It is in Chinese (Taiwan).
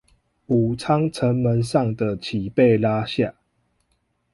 武昌城門上的旗被拉下